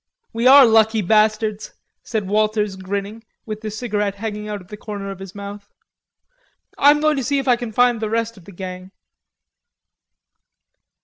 "We are lucky bastards," said Walters, grinning, with the cigarette hanging out of the corner of his mouth. "I'm going to see if I can find the rest of the gang."